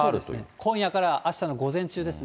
今夜からあしたの午前中ですね。